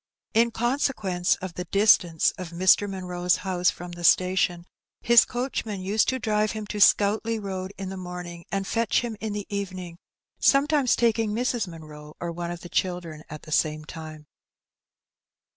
In consequence of the distance of Mr. Munroe's house from the station, his coachman used to drive him to Scoutleigh Road in the morning and fetch him in the evening, sometimes taking Mrs. Munroe, or one of the children, at the same time.